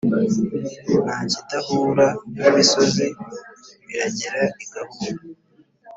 Ntakidahura nimisozi biragera igahura